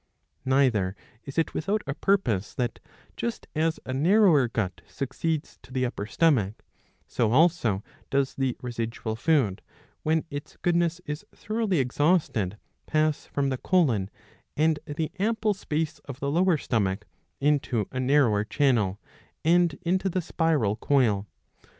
Neither is it without a purpose that, just as a narrower gut succeeds to the upper stomach, so also does the residual food, when its goodness is thoroughly exhausted, pass from the colon and the ample space of the lower stomach ^^ into a narrower channel and into the spiral coil.